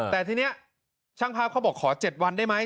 แต่ทีนี้ช่างภาพเขาบอกขอ๗วันได้ไหม